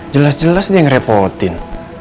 jelas jelas dia ngerepotin